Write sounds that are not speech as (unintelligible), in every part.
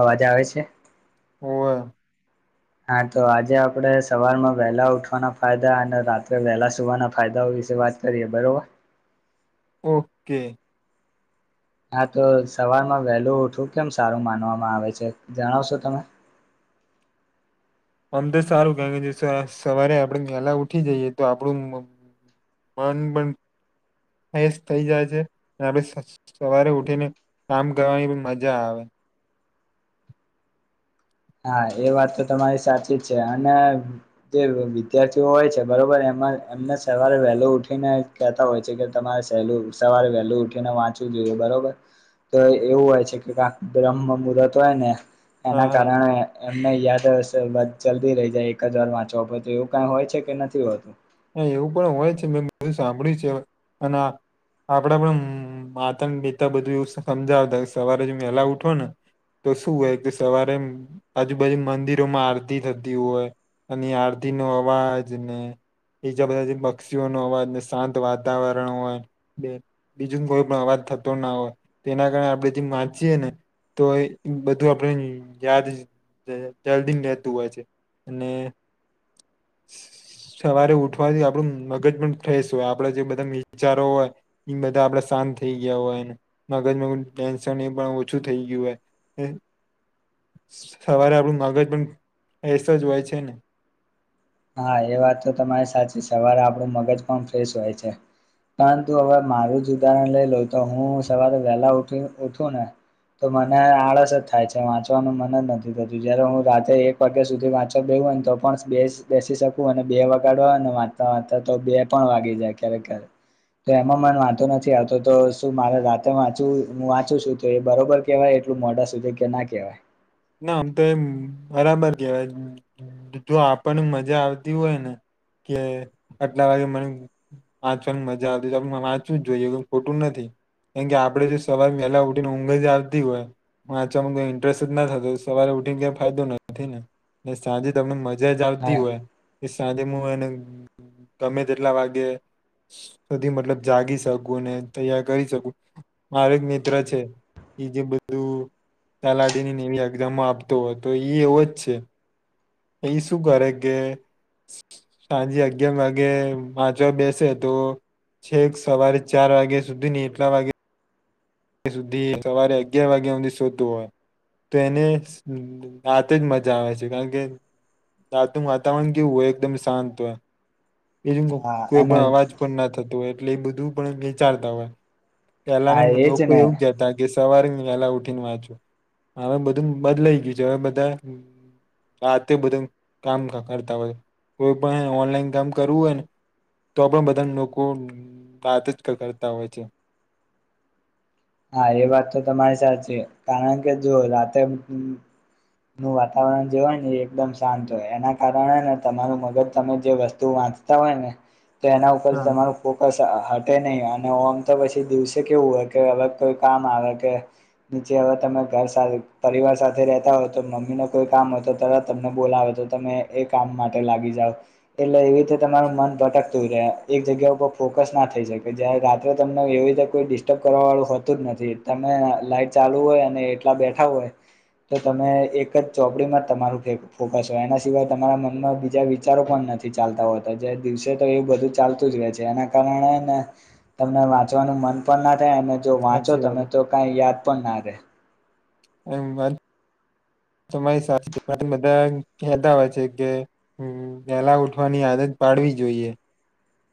અવાજ આવે છે. હોવે હા તો આજે આપડે સવારમાં વહેલા ઉઠવાના ફાયદા અને રાત્રે વહેલા સુવાના ફાયદા હો. વાત કરીએ બરોબર. ઓકે. હા તો સવારમાં વહેલું ઉઠવું કેમ સારું માનવામાં આવે છે જણાવ છો તમે (unintelligible) આમ તો સારું કારણ કે સવારે આપણે પહેલા ઉઠી જઈએ તો આપડું. પણ પણ. હ થઈ જાય છે આપણે સવારે ઉઠીને કામ કરવાની પણ મજા આવે. (unintelligible) હા એ વાત તો તમારી સાચી જ છે અને જે વિદ્યાર્થીઓ હોય છે બરોબર એમ એમને સવારે વહેલું ઉઠીને કહેતા હોય છે કે તમારેહે સવારે વેહેલું ઉઠી ને વાંચવું જોઈ. બરોબર તો એવું હોય છે કે ક બ્રહ્મ મુહૂર્ત હોય ને એના હા હા કારણે. નહી યાદસ જલ્દી રહી જાય એક જ વાર વાંચો પ તો એવું કઈ હોય છે કે નથી હોતું. હા એવું પણ હોય છે મેં બધું સાંભળ્યું છે અને આપડે પણ માતાને પિતા બધું એવું સમજાવતા સવારે જે વહેલા ઉઠો ને. તો શું હોય કે સવારે આજુબાજુ મંદિરોમાં આરતી થતી હોય. અને આરતી નો અવાજ ને બીજા બધા પક્ષીઓ નો અવાજ ને શાંત વાતાવરણ હોય બીજું કોઈ પણ અવાજ થ. ના હોય તેના કારણે આપણેથી વાચીયે ને તો બધું આપણે યાદ. જલ્દી રહેતું હોય છે અને સવારે ઉઠ વાથી આપડું મગજ પણ ફ્રેશ હોય આપડ જે બધા વિચારો હોય બધા આપડા શાંત થઈ ગયા હોય. મગજ મગજ ટેન્શન એ પણ ઓછું થઈ ગયું હો. સવારે આપણું મગજ પણ ફ્રેસ જ હોય છે ને હા એ વાત તો તમારી સાચી સવારે આપણું મગજ પણ ફ્રેશ હોય છે. પરંતુ હવે મારું જ ઉદાહરણ લઈ લઉ તો હું સવારે વહેલા ઉઠી ઉઠુંને. તો મને આળસ જ થાય છે વાંચવાનું મન જ નથી થતું જયારે હું રાતેે એક વાગ્યા સુધી વાંચવા બે. ને (unintelligible) તો પણ સ બેસ બેસી શકું અને બે વગાડવા ને વાંચતા વાંચતા તો બે પણ વાગી જાય ક્યારેક ક્યારે તો એમાં મન વાંંધો નથી આવતો તો શું મારે રાતે વાંચું હું વાંચું છું તો એ બરોબર કેવાય. એટલું મોઢા સુધી કે ના કવાય. ના આમ તો એમ બરાબર કેવાય જો આપણનું મજા આવતી હોયને. કે આટલા વાગે મને વાંચવાની મજા આવતી આપડે વાંચવું જ જોઈએ ખોટું નથી. કેમ કે આપડે જો સવાર વહેલા ઉઠી ને ઊઘ જ આવતી હોય વાંચવામાં કઈ ઇન્ટરેસ્ટજ ના થતો સવારે ઉઠીને ક ફાયદો નથી નેને સાંજે તને મજાજ આવતી હા હોય. સાંજે મુ એને ગમે જેટલા વાગે. સુધી મતલબ જાગી શકું અને તૈયાર કરી શકું મારે એક મિત્ર છે. એ જે બધું તલાટીની એવી એક્ઝામો આપતો હોય તો એ એવો જ છે. અહી શું કરે કે સાંજે અગિયાર વાગે વાચવા બેસે તો. છેક સવારે ચાર વાગ્યા સુધીની એટલા વાગે સુધી સવારે અગિયાર વાગે ઊધી શુંતું હોય. તો એને રાતે જ મજા આવે છે કારણ કે રાતનું વાતાવરણ કેવું હોય એકદમ શાંત હોય. બીજું હા કોઈ અને પણ અવાજ પણ ના થતો હોય એટલે એ બધું પણ વિચારતા હોય. હા પેલાના એજ લોકો ને એવું કેહતા કે સવારે પેલા ઉઠીને વાચું હવે બધું બદલાઈ ગયું છે હવે બધા આતે બધું કામ કરતા હોય કોઈ પણ ઓનલાઈન કામ કરવું હોય ને તો પણ બધા લોકો વાતજ કરતાતા હોય છે. હા એ વાત તો તમારી સાચી કારણ કે જો રાતે (unintelligible) નું વાતાવરણ જે હોય ને એ એકદમ શાંત હોય એના કારણે ને તમારું મગજ તમે જે વસ્તુ વાચતા હોય ને તો એના ઉપર હા તમારું ફોકસ હટે નહીં અને આમ તો પછી દિવસે કેવું હોય કે હવે. કોઇ કામ આવે કે નીચે હવે તમે ઘર પરિવાર સાથે રતા હોય તો મમ્મી ન કોઈ કામ. (unintelligible) તરત તમને બોલાવે તો તમે એ કામ માટે લાગી જાવ એટલે એવી રીતે તમારું મન ભટક. તુ રહ એક જગ્યા ઉપર ફોકસ ના થઈ શકે જયારે રાત્રે તમને એવી રીતે કોઈ ડિસ્ટર્બ કરવા વાળું. તુજ નથી તમે લાઈટ ચાલુ હોય અને એકેલા બેઠા હોય. તો તમે એક જ ચોપડીમાં તમારું ફોકસ હોય એના સિવાય તમારા મનમાં બીજા વિચારો પણ ના નથી ચાલતા હોતા જે દિવસે તો એવું બધું ચાલતું જ રહે છે એના કારણે ને તમને વાંચવાનું મન પણ ના થાય અને જો વાંચો સાચી વાત તમે હે. તો કઈ યાદ પણ ના રહે એમ વાત. તમારી (unintelligible) શસ્ બધા કહેતા હોય છે કે વેલા ઉઠવાની આદત. પાડવી જોઈએ.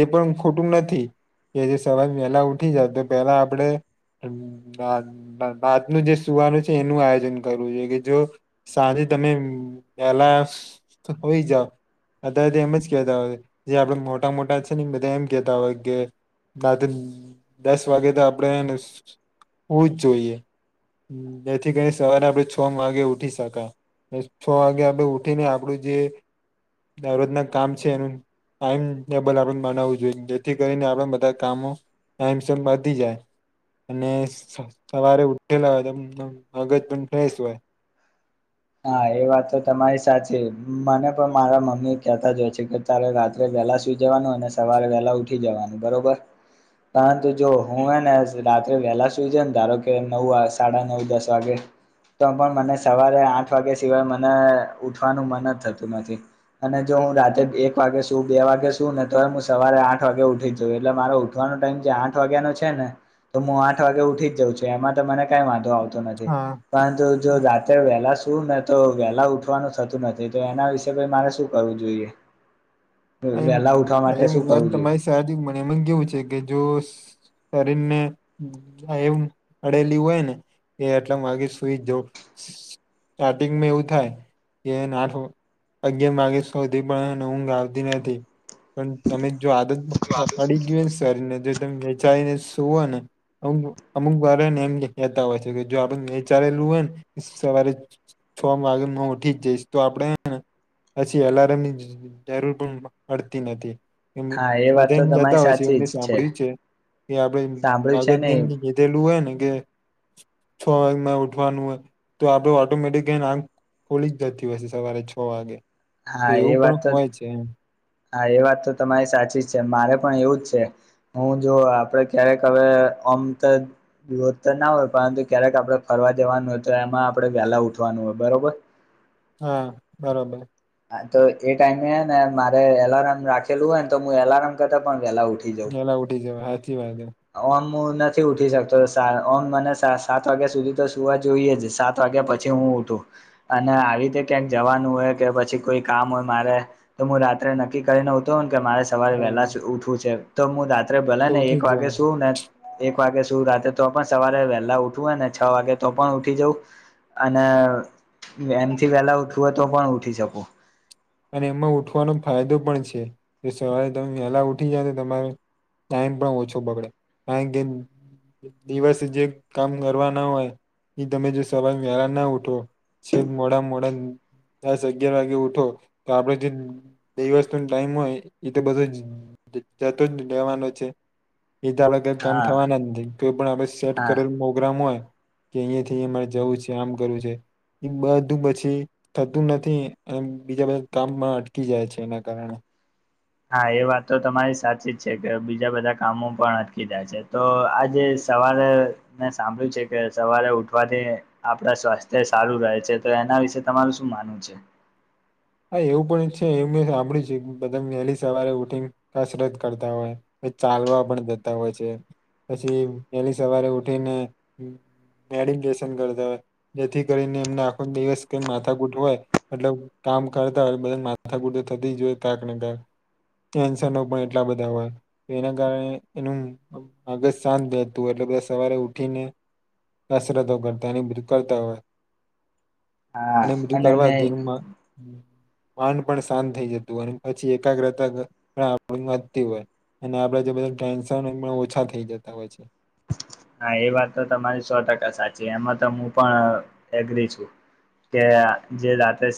એ પણ ખોટું નથી કે જે સવારે વહેલા ઉઠી જાય તો પહેલા આપડે બાત ન જે સુવાનું છે એનું આયોજન કરવું જોઈએ કે જો સાંજે. તમે એલાયસ હોઈ જાઓ. અત્યર તો એમ જ કેહેતા હોય જે આપડે મોટા મોટા છે ને બધા એમ કેતા હોય કે ના તો દસ વાગે તો આપણેે હોવુંજ જોઈએ. હ જેથી કરીઈ સવારે આપણે છ વાગે ઉઠી શકા. છ વાગે આપણે ઉઠીને આપડું જે. દવરોજ ના કામ છે. એનું ટાઈમ ડબલ આપ બનાવવું જોઈએ જેથી કરીને આપ બધા કામો ટાઈમ બાંધી જાય. ને સવારે ઉઠેલા હોય તો મગજ પણ ફ્રેશ હોય. હા એ વાત તો તમારી સાચી મને પણ મારા મમ્મી કેહેતા જ હોય છે કે ચાલો રાત્રે વેલા સુઈ જવાનું અને સવારે વેહલા ઉઠી જવાનું બરોબર. પરંતુ જો હું હ ને રાત્રે વેલા સુઈ જ ને ધારો કે નવ સાડા નવ દસ વાગે. તો પણ મને સવારે આઠ વાગ્યા સિવાય મને ઉઠવાનું મન જ થતું નથી. અને જો હું રાતે એક વાગે શું બે વાગે શું ને તોવે હું સવારે આઠ વાગે ઉઠી જઉં એટલે મારે ઉઠવાનું ટાઇમ જે આઠ વાગ્યા નો છે ને તો હું આઠ વાગે ઉઠી જ જાઉ છું એમાં તો મને કઈ વાંધો નથી પરંતુ જો રાત્રે વહેલા સુ શું ને તો વેલા ઉઠવાનું થતું નથી તો એના વિશે પઇ મારે શું કરવું જોઈએ. વહેલા ઉઠવા (unintelligible) માટે શું પેલી કરવું જોઈએ તમારી સાચી પણ એમાં કેવું છે કે જોશ શરીર નેે ટેવ પડેલી હોય ને એ એટલા વાગી સુઈ જવું સ્ટાર્ટિંગમાં એવું થાય કે આઠ અગિયાર વાગ્યા સુધી પણ હેને ઊંઘ આવતી ન થી પણ તમે જો આદત પડી ગી હોય ને શરીર ને તો વિચારી ને સૂવો ને અમુ અમુક વાર હન એમ કેતા હોય છે કે જો આપડે વિચારેલું હોય ને સવારે છ છ વાગે હું ઉઠી જ જઈશ તો આપડેને પછી એલાર્મની જરૂર પણ પડતી નથી હા એ વાત બધા તો એમ કેતા તમારી હોય છે એવું સાચી જ મેં સાંભળ્યું છે. કે આપડે સાંભળ્યું છે મગજ ને એમ કીધેલું હોય ને કે છ વાગે માર ઉઠવાનું હે તો આપડ ઓટોમેટિક હેને આંખ ખુલી જ જતી હસે સવારે છ વાગે તો હા એવું એ પણ વાત તો હોય છે એમ. હા એ વાત તો તમારી સાચી જ છે મારે પણ એવું જ છે હું જો આપડે ક્યારેક હવે ઓમ ત રોજ ત ના હોય પરંતુ ક્યારેક આપડે ફરવા જવાનું હોય તો એમાં આપડે વેહલા ઉઠ વાનું હોય બરોબર. હા બરોબર. હા તો એ ટાઈમે ને મારે એલાર્મ રાખેલું હોય ને તો હું એલાર્મ કરતા પણ વેલા ઉઠી જઉં વેલા ઉઠી જવાય હાચી વાત હે. ઓમ હું નથી ઉઠી શકતો ઓમ મને સાત વાગ્યા સુધી તો સુવા જોઈએ જ સાત વાગ્યા પછી હું ઊઠું અને આવી રીતે ક્યાંક જવાનું હોય કે પછી કોઈ કામ હોય મારે તો હું રાત્રે ન ક્કી કરી હતું કે મારે સવારે વહેલા બરાબર જ ઉઠવું છે તો હું રાત્રે ભલે તો ને ઉઠી એક જ વાગે જવું સુ એક વાગે સુ રાતે તો પણ સવારે વહેલા ઉઠવું હોય ને છ વાગે તો પણ ઉઠી જઉ અને એનથી વેલા ઉઠવું હોય તો પણ ઉઠી જઉં. અને એમાં ઉઠવાનો ફાયદો પણ છે જો સવારે તમે વહેલા ઉઠી જાઓ ન તો તમાર ટાઈમ પણ ઓછો બગડે કારણ કે દિવસ જે કામ કરવા ના હોય એ તમે જો સવાર વેલા ના ઉઠો છેક મોડા મોડા દસ અગિયાર વાગે ઉઠો તો આપડે જે દિવસ નો ટાઈમ હોય એ તો બધો જ જતો જ રહેેવાનો છે. (inaudible) ઇત આપડે કઈ કામ હા થવાના નથી કોઈ પણ આપણે સેટ હા કરેલ પ્રોગ્રામ હોય કે અહીંયાથ આહીયા મારે જવું છે, આમ કરવું છે. એ બધું પછી થતું નથી અને બીજા બધ કામ પણ અટકી જાય છે એના કારણે. હા એ વાત તો તમારી સાચી જ છે કે બીજા બધા કામો પણ અટકી જાય છે તો આજે સવારે મેં સાંભળ્યું છે કે સવારે ઉઠવાથી આપણા સ્વાસ્થ્ય સારું રહે છે તો એના વિશે તમારું શું માનવું છે. હા એવું પણ છે એવુ મેં હાભળ્યું છે બધા વહેલી સવારે ઉઠીને કસરત કરતા હોય. ચાલવા પણ જતા હોય છે, પછી પેલી સવારે ઉઠીને મેડિટેશન કરતા હોય જેથી કરીને એમને આખો દિવસ કઈ માથા કૂઠ હોય એટલે કામ કરતા હોય બધા માથાકુટ તો થતી જ જોય કાંક ને કાંક ટેન્શનો પણ એટલા બધા હોય એના કારણે એનું મગજ શાંત રહેતું. સવારે ઉઠીને કસરતો કરતા એવુ બધું કરતા તા હ હા અને બીધું કરવા મેં દેનમાં માન પણ શાંત થઈ જતું હોય પછી એકાગ્રતા પણ આપ વધતી હોય. અને આપડે જે બધા ટેન્શન ઓછા થઈ જતા હોય છે. હા એ વાત તો તમારી સો ટકા સાચી એમાં તો હું પણ એગ્રી છું. કે જે રાતે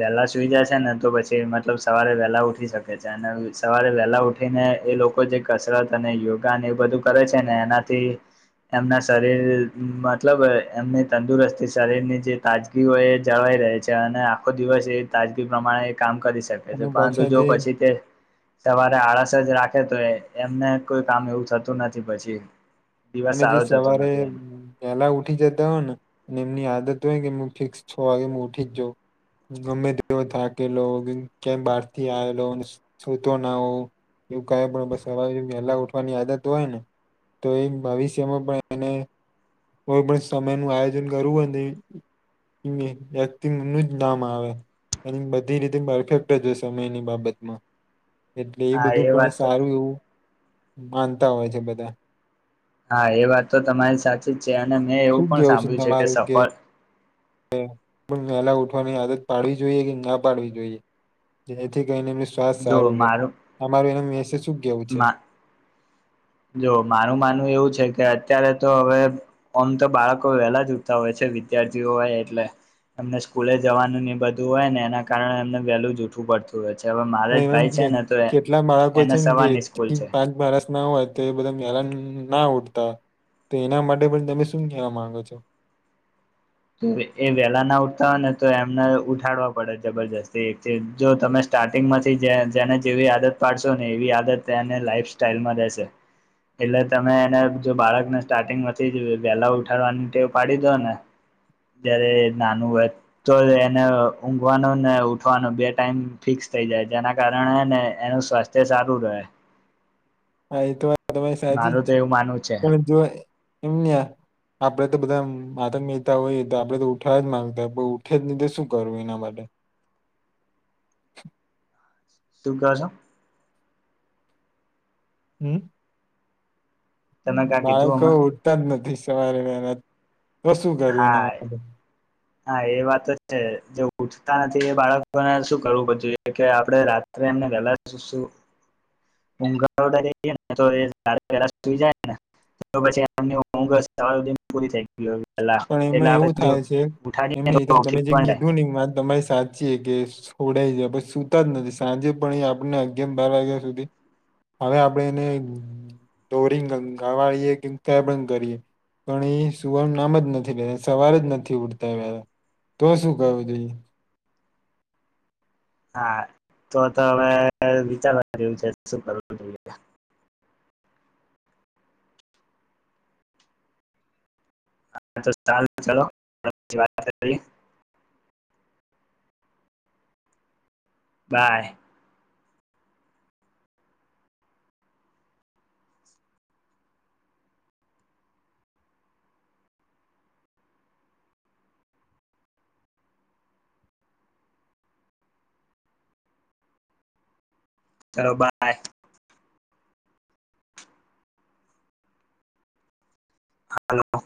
વહેલા સુઈ જાય છે ને તો પછી મતલબ સવારે વહેહલા ઉઠી શકે છે. સવારે વહેલા ઉઠીને એ લોકો જે કસરત અને યોગાને એ બધું કરે છે ને એનાથી એમના શરીર મતલબ એમની તંદુરસ્તી શરીરની જે તાજગી હોય એ જવા. રહે છે અને આખો દિવસ એ તાજગી પ્રમાણે કામ કરીશકેછે અને પરંતુ પાછા જો જે પછી તે સવારે આળસ જ રા. તો એમને કોઈ કામ એવું થતું નથી પછી. દિવસ અને જે સારો જતો સવારે નથી એમ પેલા ઉઠી જતા હોય ને અને એમની આદત (unintelligible) ફિક્સ છ વાગે હું ઉઠી જ જાઉ ગમે તેવો થાકેલો કેમ બહાર થી આવેલો સુૂતો ના હો એવું કે પણ બસ સવારે પહેલા ઉઠવાની આદત હોય ને તો એ ભવિષ્યમાં પણ એને કોઈ પણ સમય નું આયોજન કરવું હો ને (unintelligible) અને બધી રીતે પરફેક્ટ છે સમયની બાબતમાં એટલે એ હા બધું પણ વાત તો સારું એવું માનતા હોય છે બધા હા એ વાત તો તમારી સાચી જ છે અને મેં શું એવું પણ સાંભળ્યું છે કે સફળ વેહલા ઉઠવાની આદત પાડવી જોઈએ કે ના પાડવી જોઈએ જેથી. ને એનું સ્વસ્થ જો સારું રહેે મારું અમારું એનું જો મારું માનવું એવું છે કે અત્યારે તો હવે આમ તો બાળકો વહેલા જ ઉતા હોય છે વિદ્યાર્થીઓ એટલે એમને સ્કૂલે જવાનું ન બધું હોય ને એના કારણે એમને વેલું ઉઠવું પડતું હોય છે. (unintelligible) મારેજ એવા ભાઈ છે ને તો કેટલા બાળકો એને છે સવારની સ્કૂલ છે પાંચ બારસ ના હોય તો એ બધા (unintelligible) ના ઉઠતા તો એના માટે પણ તમે શું કહેવા માંગો છો. એ વેલા ના ઉઠતા હોય ને તો એમને ઉઠાડવા પડે જબરજસ્તી એક જો તમે સ્ટાર્ટિંગ માંથી જેને જેવી આદત પાડશો ને એવી આદત તેને લાઈફ સ્ટાઈલમાં રહેેશે એટલે તમે એને જો બાળકને સ્ટાર્ટિંગમાંથી વેલા ઉઠાડવાની ટેવ પાડી દો ને જયારે નાનું હોય તો એને ઊંઘવાનું ને ઉઠવાનો બે ટાઈમ ફિક્સ થઈ જાય જેના કારણેને એનું સ્વાસ્થ્ય સારું રહે હા એ તો (unintelligible) તમારી સાચ જ મારું તો છે એવું માનવું છે પણ જો એમને આપડે તો બધા માતા મહેતા હોયએ તો આપડે તો ઉઠાવવા જ માંગતા પણ ઉઠે જ નહી તો શું કરવું એના માટે હ. સુકો છે. હમ. તમે ક્યાં કીધું બાળકો અમે ઉઠતા જ નથી સવારે વેહલા. કો શું કરું હા એના માટે હા એ વાત છે જે ઉઠતા નથી એ બાળકોને શું કરવું પછી કે આપડે રાત્રે (unintelligible) એનાલા ચસું (unintelligible) (unintelligible) પેલા પણ એટલે એમાં આપડે એવું જો થાય છે ઉઠાડીએ એમને તો ઉઠી તમે જે પણ જાય કીધું નહી વાત તમારી સા (unintelligible) કે છોડાઈ જાય પછી સુતા જ નથી સાંજે પણ આપને અગિય બાર વાગ્યા સુધી. હવે આપણેે એને દોરીંગ ગવાળીએ કે કેબંગ કરીએ પણ એ સૂવાનું નામ નથી સવાર જ નથી ઉઠતા વહેલા તો શું કરવું જોઈએ (inaudible) હા તો તો હવે વિચારવા રહ્યું છે શું કરવું જોઇએ? હા તો ચાલ ચલો વાત કરીએ. બાય. ચલો બાય. હાલો.